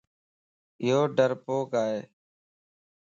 يو ڊرپوڪ ائي